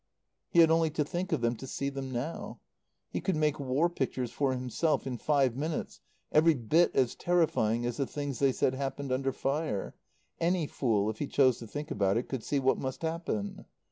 He had only to think of them to see them now. He could make war pictures for himself, in five minutes, every bit as terrifying as the things they said happened under fire. Any fool, if he chose to think about it, could see what must happen.